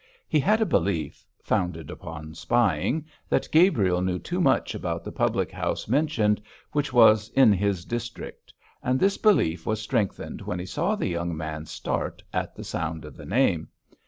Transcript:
He had a belief founded upon spying that Gabriel knew too much about the public house mentioned, which was in his district; and this belief was strengthened when he saw the young man start at the sound of the name.